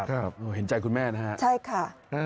ครับเห็นใจคุณแม่นะครับก็คือใช่ค่ะ